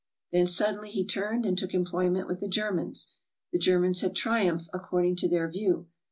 Then suddenly he turned and took em ployment with the Germans. The Germans had triumphed, according to their view.